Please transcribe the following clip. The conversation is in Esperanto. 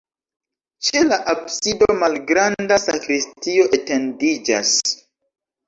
Ĉe la absido malgranda sakristio etendiĝas.